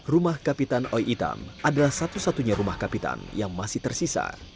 rumah kapitan oi itam adalah satu satunya rumah kapitan yang masih tersisa